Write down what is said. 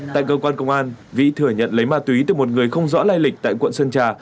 tại cơ quan công an vĩ thừa nhận lấy ma túy từ một người không rõ lai lịch tại quận sơn trà